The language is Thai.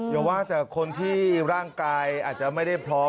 อย่าว่าแต่คนที่ร่างกายอาจจะไม่ได้พร้อม